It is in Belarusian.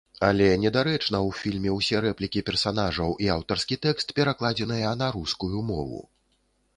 Але недарэчна ў фільме ўсе рэплікі персанажаў і аўтарскі тэкст перакладзеныя на рускую мову.